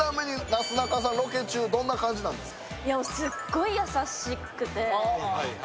なすなかさん、ロケ中どんな感じなんですか？